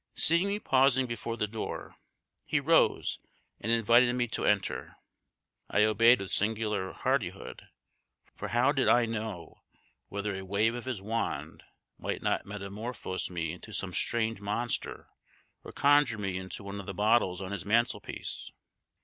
Seeing me pausing before the door, he rose and invited me to enter. I obeyed with singular hardihood, for how did I know whether a wave of his wand might not metamorphose me into some strange monster or conjure me into one of the bottles on his mantelpiece?